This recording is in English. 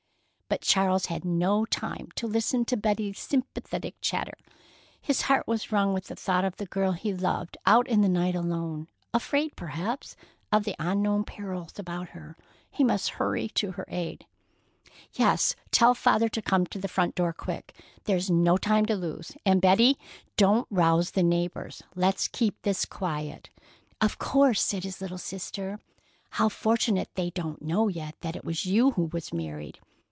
But Charles had no time to listen to Betty's sympathetic chatter. His heart was wrung with the thought of the girl he loved out in the night alone, afraid perhaps of the unknown perils about her. He must hurry to her aid. "Yes, tell Father to come to the front door, quick! There's no time to lose. And, Betty, don't rouse the neighbors. Let's keep this quiet." "Of course," said his little sister. "How fortunate they don't know yet that it was you who was married."